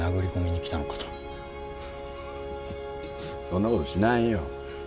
そんなことしないよ。